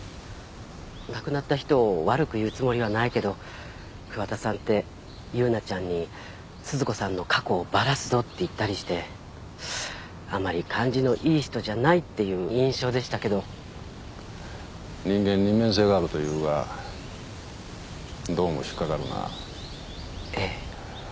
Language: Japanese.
亡くなった人を悪く言うつもりはないけど桑田さんって優奈ちゃんに鈴子さんの過去をバラすぞって言ったりしてあまり感じのいい人じゃないっていう印象でしたけど人間二面性があるというがどうも引っ掛かるなええ